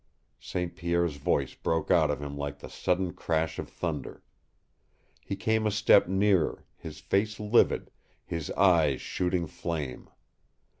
St. Pierre's voice broke out of him like the sudden crash of thunder. He came a step nearer, his face livid, his eyes shooting flame.